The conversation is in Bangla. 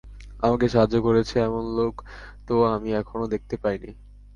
আমাকে সাহায্য করেছে, এমন লোক তো আমি এখনও দেখতে পাইনি।